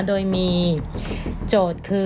โดยมีโจทย์คือ